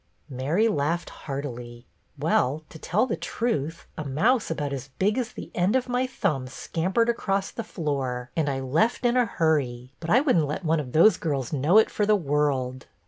Mary laughed heartily. " Well, to tell the truth, a mouse about as big as the end of my thumb scampered across the floor and I BETTY BAIRD 1 26 left in a hurry ; but I would n't let one of those girls know it for the world."